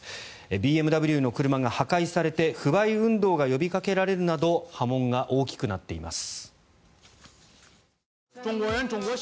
ＢＭＷの車が破壊されて不買運動が呼びかけられるなど波紋が大きくなっています。